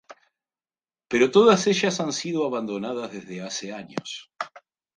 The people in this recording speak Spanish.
Pero todas ellas han sido abandonadas desde hace años.